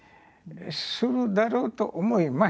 するだろうと思います。